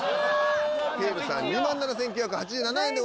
ピエールさん２万７，９８７円でございます。